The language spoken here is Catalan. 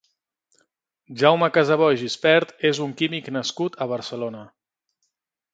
Jaume Casabó i Gispert és un químic nascut a Barcelona.